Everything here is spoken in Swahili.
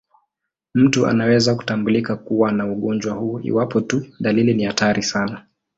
Mtu anaweza kutambulika kuwa na ugonjwa huu iwapo tu dalili ni hatari sana.